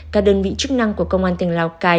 các đơn vị chức năng của công an tỉnh lào cai